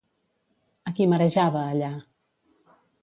A qui marejava allà?